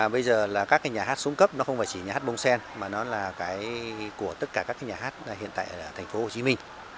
bây giờ là các nhà hát xuống cấp nó không phải chỉ nhà hát bông sen mà nó là cái của tất cả các nhà hát hiện tại ở thành phố hồ chí minh